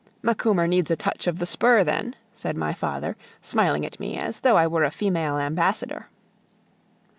"Macumer needs a touch of the spur then," said my father, smiling at me, as though I were a female ambassador.